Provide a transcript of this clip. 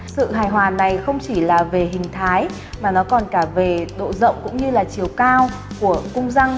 sự hài hòa này không chỉ là về hình thái mà nó còn cả về độ rộng cũng như là chiều cao của cung răng